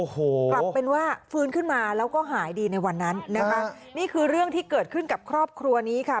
กลับเป็นว่าฟื้นขึ้นมาแล้วก็หายดีในวันนั้นนะคะนี่คือเรื่องที่เกิดขึ้นกับครอบครัวนี้ค่ะ